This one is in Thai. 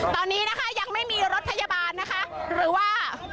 ตอนนี้นะคะยังไม่มีรถพยาบาลนะคะหรือว่า